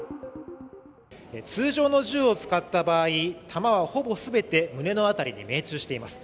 通常の銃を使った場合、弾はほぼ全て胸の辺りに命中しています。